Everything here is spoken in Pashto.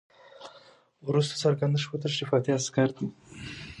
وروسته څرګنده شوه تشریفاتي عسکر دي.